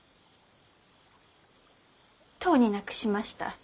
とうに亡くしました。